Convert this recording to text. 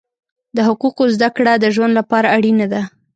د حقوقو زده کړه د ژوند لپاره اړینه ده.